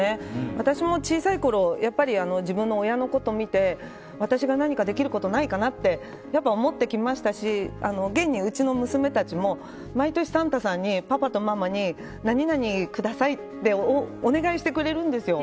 私も小さいころ自分の親のことを見て私が何かできることないかなって思ってきましたし現に、うちの娘たちも毎年サンタさんにパパとママになになに下さいってお願いしてくれるんですよ。